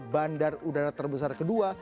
bandar udara terbesar kedua